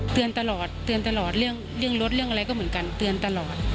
เตือนตลอดเตือนตลอดเรื่องรถเรื่องอะไรก็เหมือนกันเตือนตลอด